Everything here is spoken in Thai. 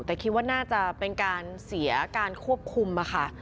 แต่คิดว่าน่าจะเป็นการเสียการควบคุมค่ะ